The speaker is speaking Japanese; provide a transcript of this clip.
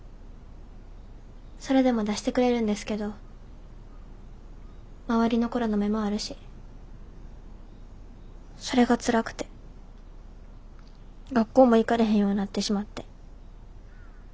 それでも出してくれるんですけど周りの子らの目もあるしそれがつらくて学校も行かれへんようになってしまって。